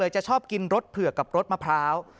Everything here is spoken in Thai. จะชอบกินรสเผือกกับรสมะพร้าว